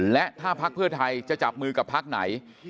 และถ้าพักเพื่อไทยจะจับมือกับพักไหน